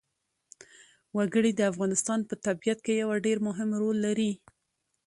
وګړي د افغانستان په طبیعت کې یو ډېر مهم رول لري.